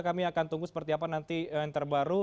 kami akan tunggu seperti apa nanti yang terbaru